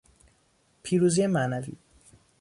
پیروزی معنوی